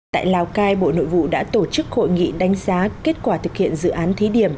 tại lào cai bộ nội vụ đã tổ chức hội nghị đánh giá kết quả thực hiện dự án thí điểm